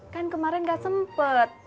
kan kemarin gak sempet